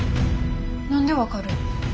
何で分かる？